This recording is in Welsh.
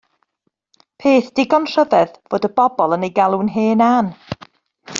Peth digon rhyfedd fod y bobl yn ei galw'n hen Ann.